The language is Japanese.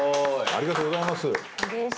ありがとうございます。